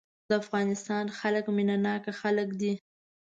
د افغانستان خلک مينه ناک خلک دي.